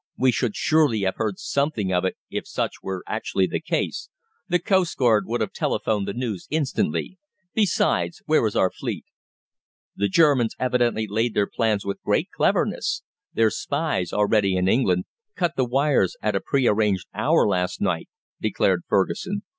"We should surely have heard something of it if such were actually the case. The coastguard would have telephoned the news instantly. Besides, where is our fleet?" "The Germans evidently laid their plans with great cleverness. Their spies, already in England, cut the wires at a pre arranged hour last night," declared Fergusson.